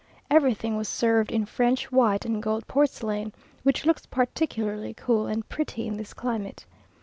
Everything was served in French white and gold porcelain, which looks particularly cool and pretty in this climate.